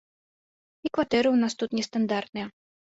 І кватэры ў нас тут нестандартныя.